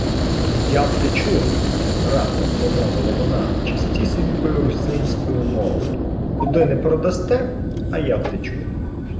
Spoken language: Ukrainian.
— Я втечу, — раптом промовила вона чистісінькою русинською мовою. — Куди не продасте, а я втечу.